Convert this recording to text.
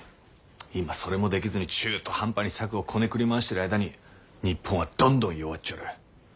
今それもできずに中途半端に策をこねくり回してる間に日本はどんどん弱っちょる。